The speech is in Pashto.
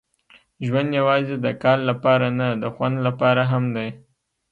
ژوند یوازې د کار لپاره نه، د خوند لپاره هم دی.